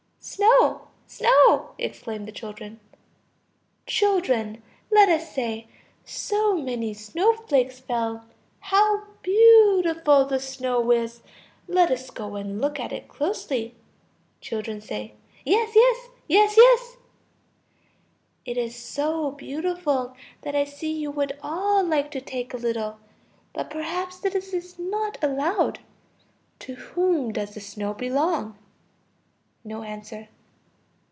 Snow, snow! exclaim the children. Children! let us say: so many snowflakes fell. How beautiful the snow is! Let us go and look at it closely. Children. Yes, yes, yes, yes. It is so beautiful that I see you would all like to take a little. But perhaps this is not allowed. To whom does the snow belong? (No answer.)